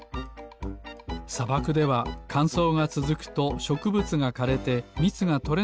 さばくではかんそうがつづくとしょくぶつがかれてみつがとれなくなってしまいます。